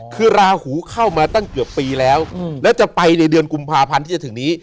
คือราหูเข้ามาตั้งเกือบปีแล้วแล้วจะไปในเดือนกุมภาพันธ์ที่จะถึงนี้